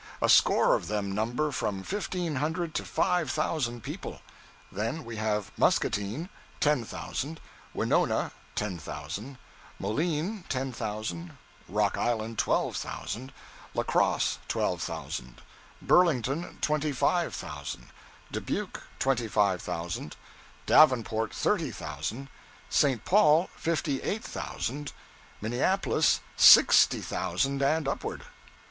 A score of them number from fifteen hundred to five thousand people. Then we have Muscatine, ten thousand; Winona, ten thousand; Moline, ten thousand; Rock Island, twelve thousand; La Crosse, twelve thousand; Burlington, twenty five thousand; Dubuque, twenty five thousand; Davenport, thirty thousand; St. Paul, fifty eight thousand, Minneapolis, sixty thousand and upward.